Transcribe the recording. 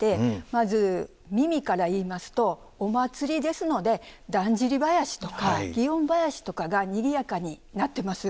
まず耳から言いますとお祭りですのでだんじり囃子とか園囃子とかがにぎやかに鳴ってます。